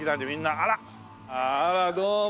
あらどうも。